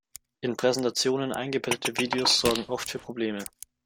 In Präsentationen eingebettete Videos sorgen oft für Probleme.